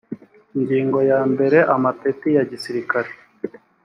ingingo ya mbere amapeti ya gisirikare